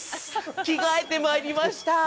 着がえてまいりました。